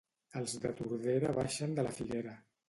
Els de Tordera baixen de la figuera